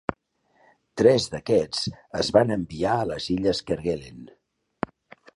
Tres d'aquests es van enviar a les illes Kerguelen.